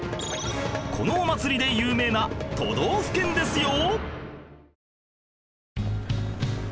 このお祭りで有名な都道府県ですよ